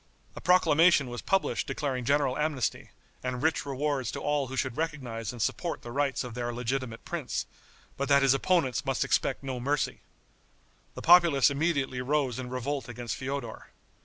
A proclamation was published declaring general amnesty, and rich rewards to all who should recognize and support the rights of their legitimate prince, but that his opponents must expect no mercy. The populace immediately rose in revolt against Feodor.